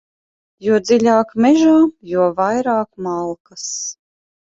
Jo dziļāk mežā, jo vairāk malkas.